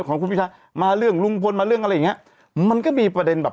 ของคุณพิทามาเรื่องลุงพลมาเรื่องอะไรอย่างเงี้ยมันก็มีประเด็นแบบ